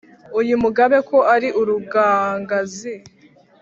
Uyu mugabe ko ari urugangazi,